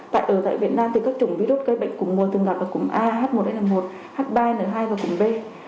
tại ở tại việt nam thì các chủng virus gây bệnh cúm mùa thường gặp vào cúm a h một n một h ba n hai và cúm b